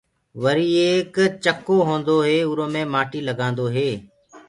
وري ايڪ ڇڪو هوندو هي اُرو مي مآٽي لگآندو هي۔